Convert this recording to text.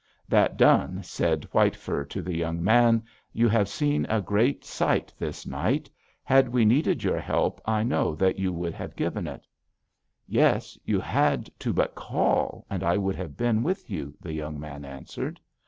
That done, said White Fur to the young man: 'You have seen a great sight this night. Had we needed your help I know that you would have given it.' "'Yes, you had but to call, and I would have been with you,' the young man answered.